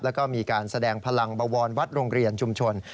แล้วก็มีการแสดงพลังบวรวัดโรงเรียนชุมชน